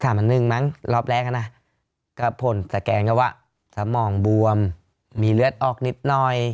อันหนึ่งมั้งรอบแรกนะก็ผลสแกนก็ว่าสมองบวมมีเลือดออกนิดหน่อย